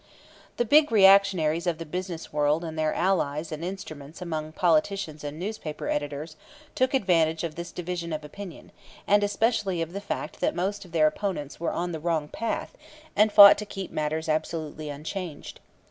The big reactionaries of the business world and their allies and instruments among politicians and newspaper editors took advantage of this division of opinion, and especially of the fact that most of their opponents were on the wrong path; and fought to keep matters absolutely unchanged.